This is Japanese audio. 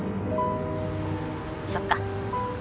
そっか。